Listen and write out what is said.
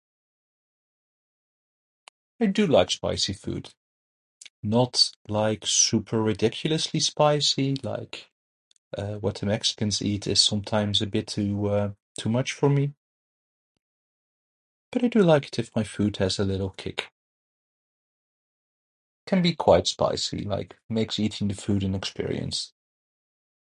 I do like spicy food. Not like super ridiculously spicy like, uh, what Mexicans eat is sometimes a bit too, uh, a bit too much for me. But I do like it if my food has a little kick. Can be quite spicy, like makes eating the food an experience.